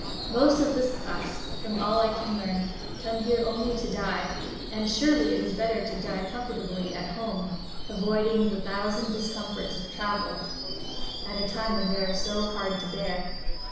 Most of this class, from all I can learn, come here only to die, and surely it is better to die comfortably at home, avoiding the thousand discomforts of travel, at a time when they are so heard to bear.